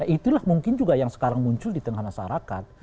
itulah mungkin juga yang sekarang muncul di tengah masyarakat